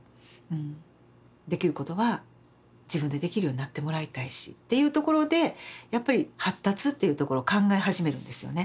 できることは自分でできるようになってもらいたいしっていうところでやっぱり発達っていうところを考え始めるんですよね。